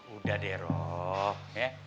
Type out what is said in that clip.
udah deh rob